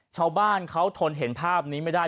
ชาวบ้านเขาทนเห็นภาพนี้ไม่ได้